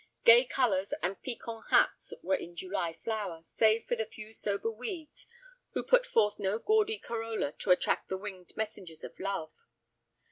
Gay colors and piquant hats were in July flower, save for the few sober weeds who put forth no gaudy corolla to attract the winged messengers of love.